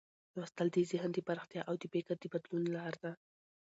لوستل د ذهن د پراختیا او د فکر د بدلون لار ده.